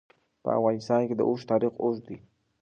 په افغانستان کې د اوښ تاریخ اوږد دی.